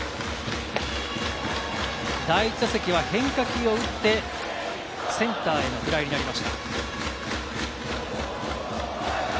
第１打席は変化球を打って、センターへのフライになりました。